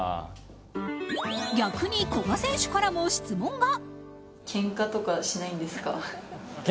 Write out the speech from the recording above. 逆に古賀選手からも質問が。